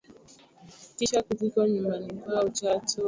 Kisha kuzikwa nyumbani kwao Chato kama ambavyo alisisitiza marehemu